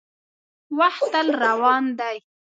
• وخت تل روان دی.